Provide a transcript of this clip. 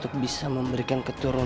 tapi bagi kalian yang perkenalkan